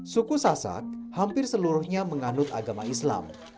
suku sasak hampir seluruhnya menganut agama islam